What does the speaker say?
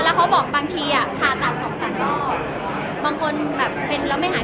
แล้วเขาบอกบางทีอ่ะผ่าตัดสองสามรอบบางคนแบบเป็นแล้วไม่หาย